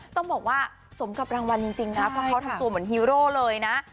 ต้องบอกว่าสมกับรางวัลจริงนะเพราะเขาทำตัวเหมือนฮีโร่เลยนะ